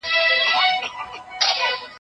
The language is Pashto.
څوك وتلى په شل ځله تر تلك دئ